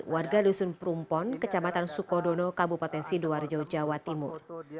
warga dusun prumpon kecamatan sukodono kabupaten sidoarjo jawa timur